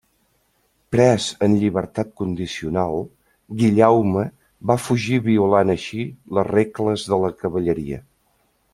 Pres en llibertat condicional, Guillaume va fugir violant així les regles de la cavalleria.